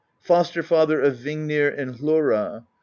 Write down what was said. Foster father of Vingnir and Hlora.